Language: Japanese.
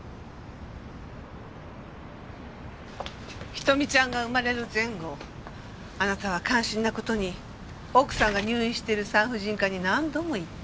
瞳ちゃんが生まれる前後あなたは感心な事に奥さんが入院している産婦人科に何度も行った。